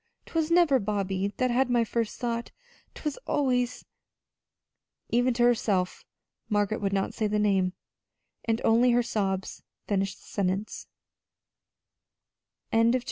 'Twas never Bobby that had my first thought. 'Twas always " Even to herself Margaret would not say the name, and only her sobs finished the sentence.